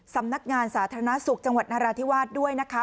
สำนักงานสาธารณสุขจังหวัดนราธิวาสด้วยนะคะ